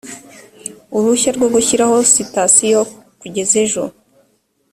uruhushya rwo gushyiraho sitasiyo kugeza ejo